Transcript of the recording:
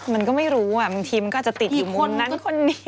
มันก็ไม่รู้บางทีมันก็อาจจะติดอยู่คนนั้นคนนี้